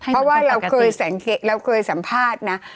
เพราะว่าเราเคยเราเคยสัมภาษณ์นะ